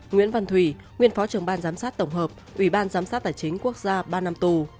nguyễn văn thủy nguyên phó trưởng ban giám sát tổng hợp ủy ban giám sát tài chính quốc gia ba năm tù